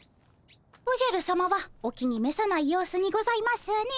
おじゃるさまはお気にめさない様子にございますね。